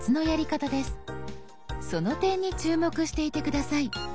その点に注目していて下さい。